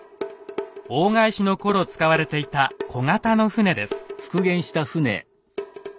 大返しの頃使われていた小型の船です。